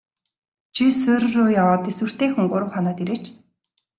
Чи суурь руу яваад тэсвэртэйхэн гурав хоноод ирээч.